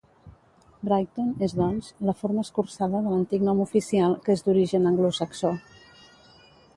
Brighton és doncs, la forma escurçada de l'antic nom oficial, que és d'origen anglosaxó.